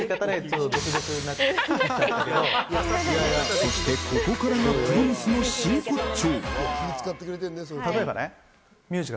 そして、ここからがプリンスの真骨頂。